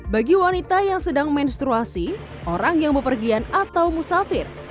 bagi wanita yang sedang menstruasi orang yang bepergian atau musafir